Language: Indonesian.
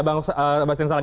bang sebastian salang